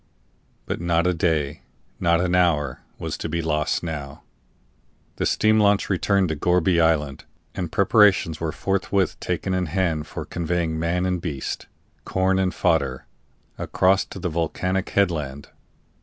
But not a day, not an hour, was to be lost now. The steam launch returned to Gourbi Island, and preparations were forthwith taken in hand for conveying man and beast, corn and fodder, across to the volcanic headland.